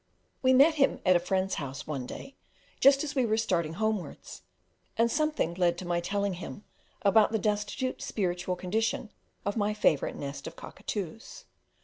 We met him at a friend's house one day, just as we were starting homewards, and something led to my telling him about the destitute spiritual condition of my favourite "nest of Cockatoos."